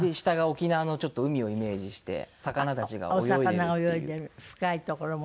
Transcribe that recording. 下が沖縄のちょっと海をイメージして魚たちが泳いでるっていう。